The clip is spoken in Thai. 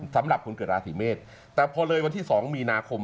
สำหรับคนเกิดราศีเมษแต่พอเลยวันที่๒มีนาคม